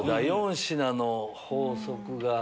４品の法則が。